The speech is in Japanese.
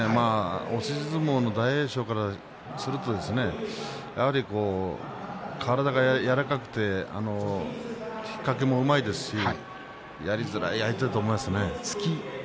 押し相撲の大栄翔からすると、やはり体が柔らかくて引っ掛けもうまいですしやりづらい相手だと思いますね。